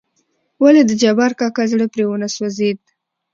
ولې دجبار کاکا زړه پرې ونه سوزېد .